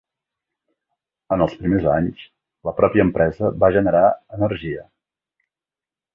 En els primers anys, la pròpia empresa va generar l'energia.